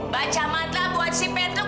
baca matlam buat si petruk